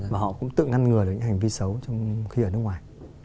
và họ cũng tự ngăn ngừa những hành vi xấu khi ở nước ngoài